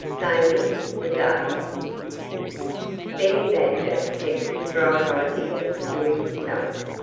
XVIII SAVING THE DAY Benny Badger kept his bright idea to himself.